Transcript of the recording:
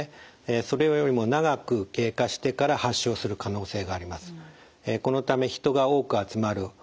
それよりも長く経過してから発症する可能性があります。